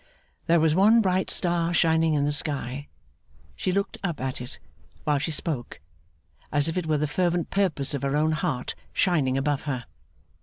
There was one bright star shining in the sky. She looked up at it while she spoke, as if it were the fervent purpose of her own heart shining above her.